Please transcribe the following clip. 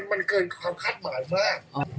มันเกินความคาดหมายมาก